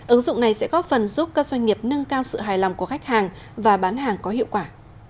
ứng dụng này sẽ góp phần giúp các doanh nghiệp nâng cao sự hài lòng của khách hàng và bán hàng có hiệu quả